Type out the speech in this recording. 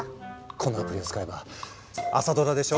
このアプリを使えば朝ドラでしょ？